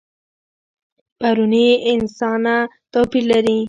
پروني انسانه توپیر لري.